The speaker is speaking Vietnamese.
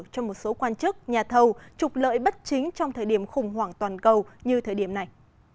cho một số quan chức nhà thầu trục lợi bất chính trong thời điểm khủng hoảng toàn cầu như thời điểm này